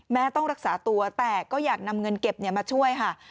ต้องรักษาตัวแต่ก็อยากนำเงินเก็บมาช่วยค่ะ